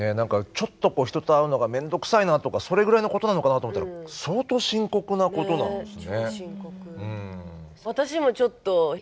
ちょっと人と会うのが面倒くさいなとかそれぐらいのことなのかなと思ったら相当深刻なことなんですね。